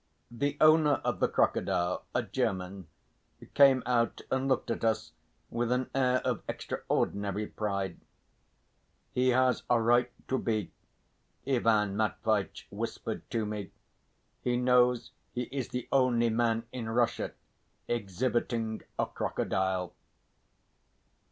The owner of the crocodile, a German, came out and looked at us with an air of extraordinary pride. "He has a right to be," Ivan Matveitch whispered to me, "he knows he is the only man in Russia exhibiting a crocodile."